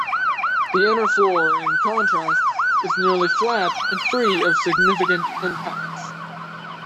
The inner floor, in contrast, is nearly flat and free of significant impacts.